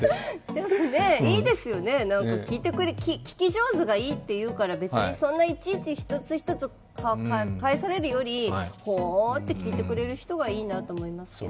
でも、いいですよね、聞き上手がいいっていうから、別にそんないちいち、返されるよりほって聞いてくれる人がいいなと思いますけど。